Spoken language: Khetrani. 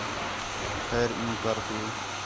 خیر عِیّوں کر تو